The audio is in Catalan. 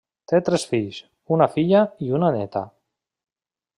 Té tres fills, una filla i una néta.